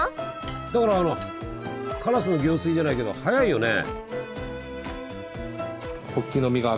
だからあの「烏の行水」じゃないけど早いよね。